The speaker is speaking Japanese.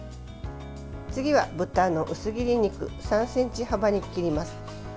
次は豚の薄切り肉３ｃｍ幅に切ります。